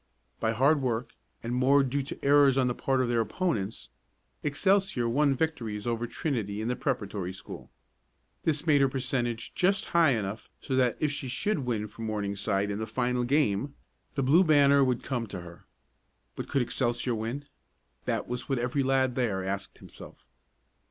By hard work, and more due to errors on the part of their opponents, Excelsior won victories over Trinity and the preparatory school. This made her percentage just high enough so that if she should win from Morningside in the final game the Blue Banner would come to her. But could Excelsior win? That was what every lad there asked himself.